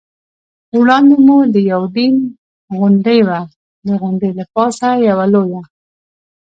وړاندې مو د یوډین غونډۍ وه، د غونډۍ له پاسه یوه لویه.